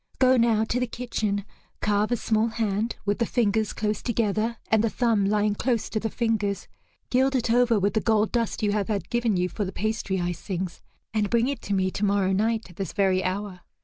Go now to the kitchen, carve a small hand with the fingers close together and the thumb lying close to the fingers, gild it over with the gold dust you have had given you for the pastry icings, and bring it to me tomorrow night at this very hour."